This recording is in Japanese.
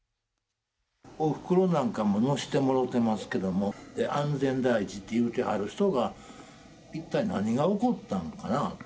おふくろなんかも乗せてもろうてますけど、安全第一って言うてはる人が一体何が起こったんかなと。